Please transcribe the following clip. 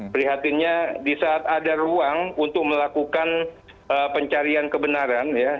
prihatinnya di saat ada ruang untuk melakukan pencarian kebenaran ya